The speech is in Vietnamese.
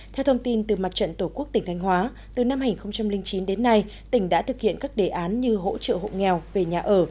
theo thông tin từ mặt trận tổ quốc tỉnh thanh hóa từ năm hai nghìn chín đến nay tỉnh đã thực hiện các đề án như hỗ trợ hộ nghèo về nhà ở